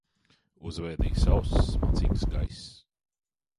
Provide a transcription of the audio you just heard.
Uzvēdīja sauss, smacīgs gaiss.